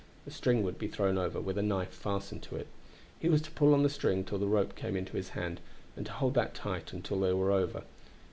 A string would be thrown over, with a knife fastened to it. He was to pull on the string till the rope came into his hand, and to hold that tight until they were over.